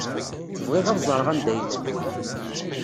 Bɣiɣ ad ẓreɣ anda ay llant.